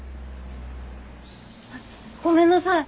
あっごめんなさい。